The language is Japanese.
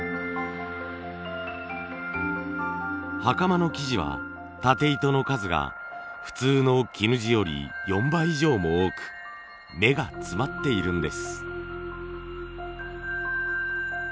袴の生地は縦糸の数が普通の絹地より４倍以上も多く目が詰まっているんです。